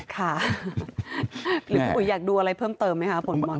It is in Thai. ค่ะหรือพี่อุ๋ยอยากดูอะไรเพิ่มเติมไหมคะผลบอล